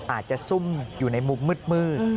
ซุ่มอยู่ในมุมมืด